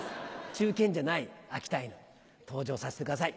忠犬じゃない秋田犬登場させてください。